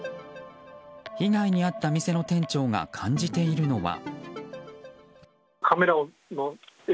被害に遭った店の店長が感じているのは。